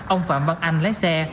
ông phạm văn anh lái xe